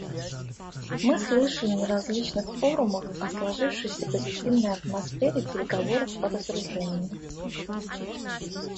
Мы слышали на различных форумах о сложившейся позитивной атмосфере в переговорах по разоружению.